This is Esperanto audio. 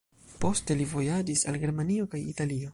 Poste li vojaĝis al Germanio kaj Italio.